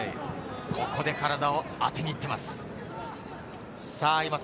ここで体を当てにいっています。